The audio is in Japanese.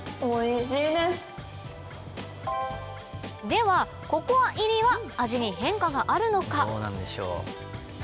ではココア入りは味に変化があるのか？